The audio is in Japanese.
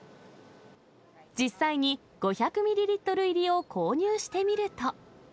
実際に５００ミリリットル入りを購入してみると。